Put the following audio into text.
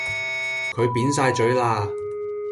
佢扁曬嘴啦